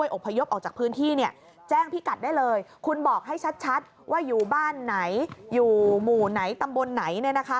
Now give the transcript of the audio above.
ว่าอยู่บ้านไหนอยู่หมู่ไหนตำบลไหนเนี่ยนะคะ